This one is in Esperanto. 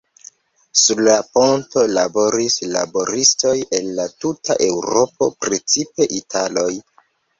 Sur la ponto laboris laboristoj el la tuta Eŭropo, precipe italoj.